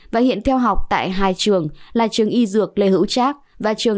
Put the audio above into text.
và hiện theo học tại hai trường là trường y dược lê hữu trường